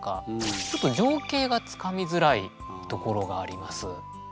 ちょっと情景がつかみづらいところがあります。